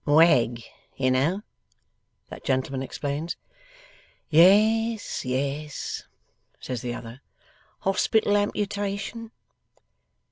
'Wegg, you know,' that gentleman explains. 'Yes, yes,' says the other. 'Hospital amputation?